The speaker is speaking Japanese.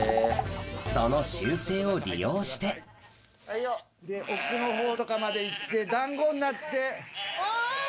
その習性を利用して奥のほうとかまで行ってだんごになって。